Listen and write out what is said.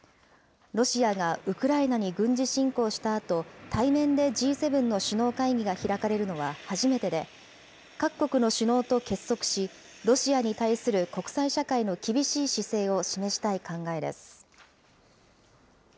ロシアがウクライナに軍事侵攻したあと、対面でＧ７の首脳会議が開かれるのは初めてで、各国の首脳と結束し、ロシアに対する国際社会の厳しい姿勢を示したい考えです。